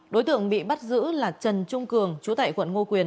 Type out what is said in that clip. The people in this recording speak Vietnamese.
đối tượng bị bắt giữ là trần trung cường chú tại quận ngô quyền